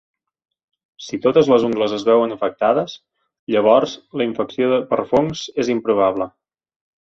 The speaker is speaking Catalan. Si totes les ungles es veuen afectades, llavors la infecció per fongs és improbable.